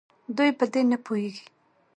دوي په دې نپوهيږي